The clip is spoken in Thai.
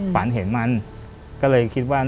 ฝันเห็นมันก็เลยคิดว่า